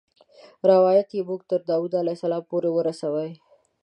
روایت یې موږ تر داود علیه السلام پورې ورسوي.